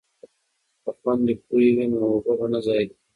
که خویندې پوهې وي نو اوبه به نه ضایع کوي.